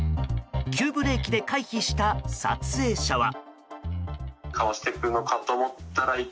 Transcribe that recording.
急ブレーキで回避した撮影者は。